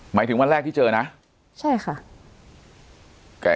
หมายถึงวันแรกที่เจอนะใช่ค่ะ